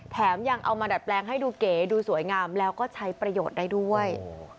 แถมยังเอามาดัดแปลงให้ดูเก๋ดูสวยงามแล้วก็ใช้ประโยชน์ได้ด้วย